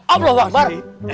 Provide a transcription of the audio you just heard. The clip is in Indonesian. aploh pak rete